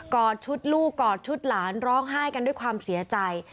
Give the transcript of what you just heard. อดชุดลูกกอดชุดหลานร้องไห้กันด้วยความเสียใจ